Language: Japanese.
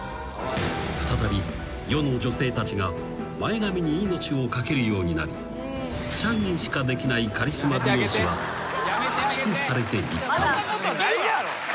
［再び世の女性たちが前髪に命を懸けるようになりシャギーしかできないカリスマ美容師は駆逐されていったのだ］